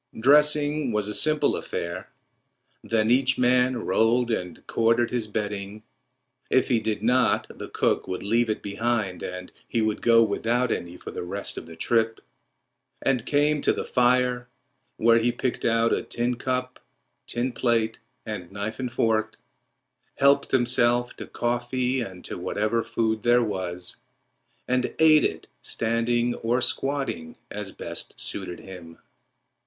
Dressing was a simple affair. Then each man rolled and corded his bedding—if he did not, the cook would leave it behind and he would go without any for the rest of the trip—and came to the fire, where he picked out a tin cup, tin plate, and knife and fork, helped himself to coffee and to whatever food there was, and ate it standing or squatting as best suited him.